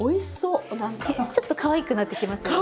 ちょっとかわいくなってきますよね。